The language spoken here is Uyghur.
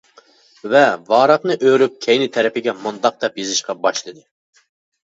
ۋە ۋاراقنى ئۆرۈپ كەينى تەرىپىگە مۇنداق دەپ يېزىشقا باشلىدى.